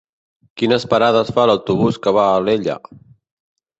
Quines parades fa l'autobús que va a Alella?